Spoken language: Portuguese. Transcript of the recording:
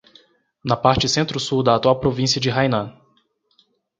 Na parte centro-sul da atual província de Hainan.